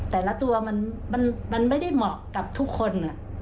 แต่ละตัวมันไม่ได้เหมาะกับทุกคน